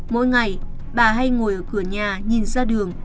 mỗi ngày bà hay ngồi ở cửa nhà nhìn ra đường